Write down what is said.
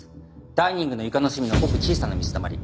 ダイニングの床の隅のごく小さな水たまり。